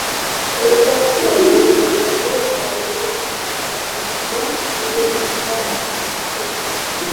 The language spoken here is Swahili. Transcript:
Nimekuwa punda nafanya kazi lakini hawanilishi vizuri kama mtu Halafu kwanini tulikuwa hatuelewani